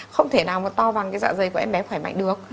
không thể nào mà to bằng cái dạ dày của em bé khỏe mạnh được